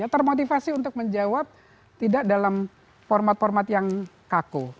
termotivasi untuk menjawab tidak dalam format format yang kaku